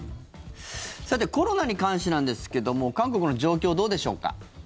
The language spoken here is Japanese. さてコロナに関してなんですけども韓国の状況、どうでしょうか？